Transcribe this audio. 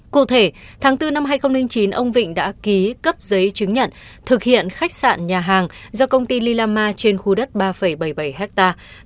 cụ thể tháng bốn năm hai nghìn chín ông vịnh đã ký cấp giấy chứng nhận thực hiện khách sạn nhà hàng do công ty lilama trên khu đất ba bảy mươi bảy hectare